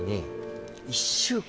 １週間